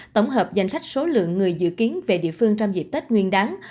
tổng hợp danh sách số lượng người dự kiến về địa phương trong dịp tết nguyên đáng